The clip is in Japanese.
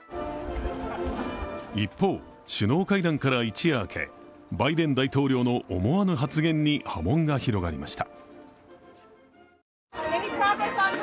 一方、首脳会談から一夜明けバイデン大統領の思わぬ発言に波紋が広がりました。